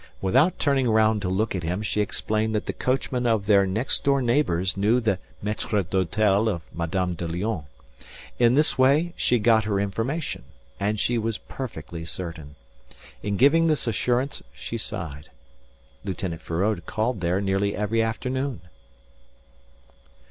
Without turning round to look at him she explained that the coachman of their next door neighbours knew the maitre d'hôtel of Madame de Lionne. In this way she got her information. And she was perfectly certain. In giving this assurance she sighed. Lieutenant Feraud called there nearly every afternoon.